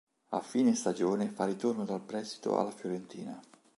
A fine stagione fa ritorno dal prestito alla Fiorentina.